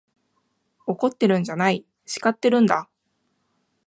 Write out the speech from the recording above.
怒ってるんじゃない、叱ってるんだ。